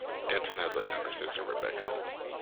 Denton has a younger sister, Rebecca.